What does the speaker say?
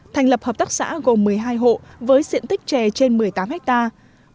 thành lập hợp tác xã gồm một mươi hai hộ với diện tích chè trên một mươi tám hectare